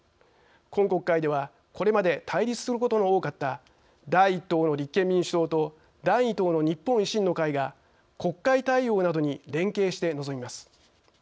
今国会ではこれまで対立することの多かった第１党の立憲民主党と第２党の日本維新の会が国会対応などに連携して臨みます。